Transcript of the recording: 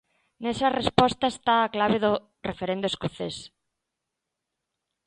Nesa resposta está a clave do referendo escocés.